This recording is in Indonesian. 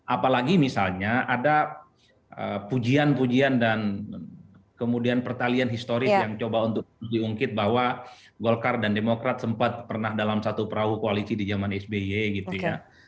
apalagi misalnya ada pujian pujian dan kemudian pertalian historis yang coba untuk diungkit bahwa golkar dan demokrat sempat pernah dalam satu perahu koalisi di zaman sby gitu ya